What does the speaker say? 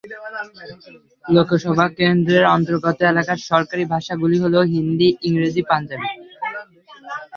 লোকসভা কেন্দ্রের অন্তর্গত এলাকার সরকারি ভাষা গুলি হল হিন্দি, ইংরেজি, পাঞ্জাবি।